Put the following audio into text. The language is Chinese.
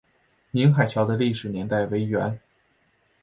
宁海桥的历史年代为元。